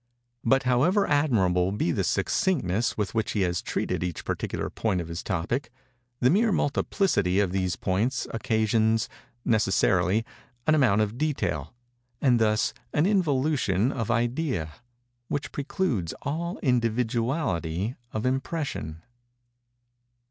But however admirable be the succinctness with which he has treated each particular point of his topic, the mere multiplicity of these points occasions, necessarily, an amount of detail, and thus an involution of idea, which precludes all individuality of impression.